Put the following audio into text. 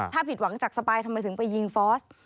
ถ้าผิดหวังจากสปายทำไมถึงไปยิงฟอส